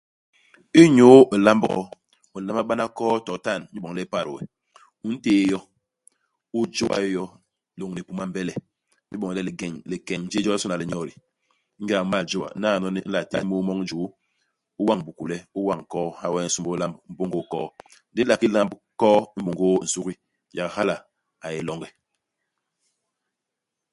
Inyu ilamb koo, u nlama bana koo to itan, inyu iboñ le i pat we. U ntéé yo. U jôa yo lôñni hipuma hi mbele, inyu iboñ le likeñ lingeñ jéé jolisôna li nyodi. Ingéda u m'mal jôa, naano ni, u nla téé môô moñ i juu, u wañ bikule. U wañ koo. Ha wee u nsômbôl lamb mbôngôô koo. Ndi u nla ki lamb koo i mbôngôô-nsugi. Yak hala a yé longe.